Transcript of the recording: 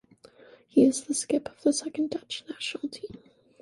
He is the Skip of the second Dutch national team.